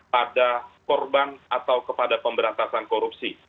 pada korban atau kepada pemberantasan korupsi